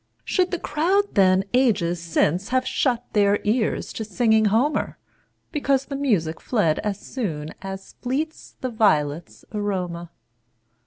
Should the crowd then, ages since, Have shut their ears to singing Homer, Because the music fled as soonAs fleets the violets' aroma?